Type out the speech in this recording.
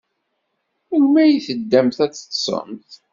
Melmi ay teddamt ad teḍḍsemt?